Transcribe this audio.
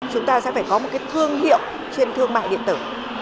chúng ta sẽ phải có một cái thương hiệu trên thương mại điện tử